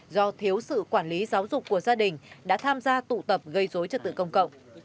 do thiếu sự quản lý giáo dục của gia đình đã tham gia tụ tập gây dối trật tự công cộng